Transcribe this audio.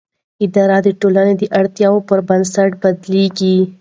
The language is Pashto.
اداره د ټولنې د اړتیاوو پر بنسټ بدلېږي.